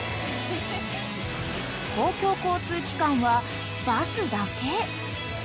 ［公共交通機関はバスだけ］